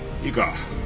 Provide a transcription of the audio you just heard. いいか！